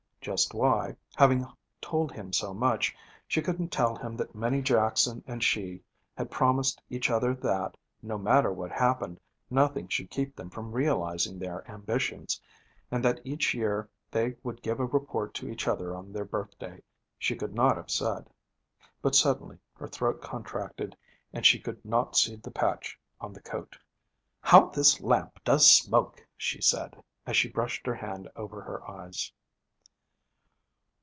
Just why, having told him so much, she couldn't tell him that Minnie Jackson and she had promised each other that, no matter what happened, nothing should keep them from realizing their ambitions, and that each year they would give a report to each other on their birthday, she could not have said. But suddenly her throat contracted and she could not see the patch on the coat. 'How this lamp does smoke!' she said, as she brushed her hand over her eyes.